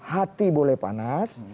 hati boleh panas